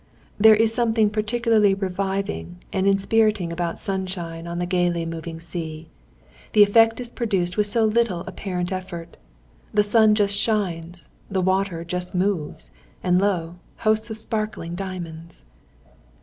There is something particularly reviving and inspiriting about sunshine on the gaily moving sea. The effect is produced with so little apparent effort. The sun just shines; the water just moves; and lo, hosts of sparkling diamonds!